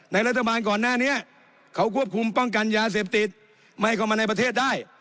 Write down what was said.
รัฐบาลก่อนหน้านี้เขาควบคุมป้องกันยาเสพติดไม่ให้เข้ามาในประเทศได้